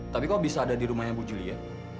tapi kok bisa ada di rumahnya bu julia